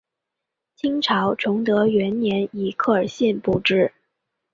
清朝崇德元年以科尔沁部置。